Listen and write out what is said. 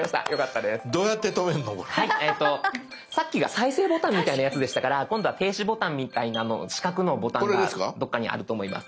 さっきが再生ボタンみたいなやつでしたから今度は停止ボタンみたいなの四角のボタンがどっかにあると思います。